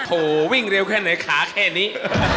โหวิ่งเร็วแค่ไหนขาแค่นี้